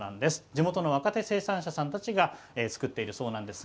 地元の若手生産者さんたちが作っているそうです。